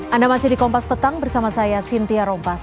anda masih di kompas petang bersama saya cynthia rompas